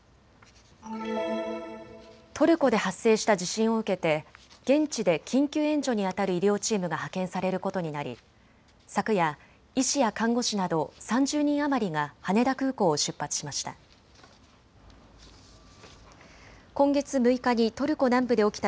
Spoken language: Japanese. トルコで発生した地震を受けて現地で緊急援助にあたる医療チームが派遣されることになり昨夜、医師や看護師など３０人余りが羽田空港を出発しました。